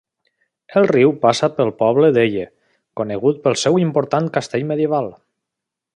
EL riu passa pel poble d'Eye, conegut pel seu important castell medieval.